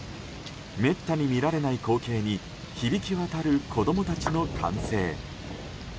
めったに見られない光景に響き渡る子供たちの歓声。